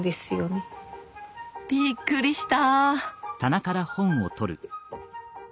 びっくりした。